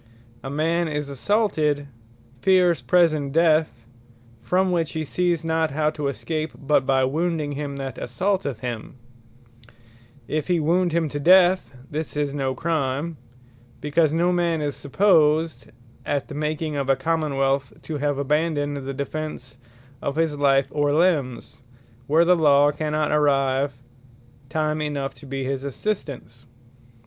A man is assaulted, fears present death, from which he sees not how to escape, but by wounding him that assaulteth him; If he wound him to death, this is no Crime; because no man is supposed at the making of a Common wealth, to have abandoned the defence of his life, or limbes, where the Law cannot arrive time enough to his assistance.